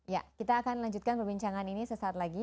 ya kita akan lanjutkan perbincangan ini sesaat lagi